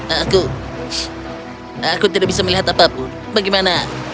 aku aku tidak bisa melihat apapun bagaimana